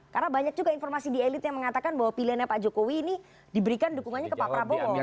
karena banyak juga informasi di elit yang mengatakan bahwa pilihannya pak jokowi ini diberikan dukungannya ke pak prabowo